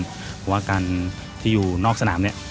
เพราะว่าการที่อยู่นอกสนามเนี่ย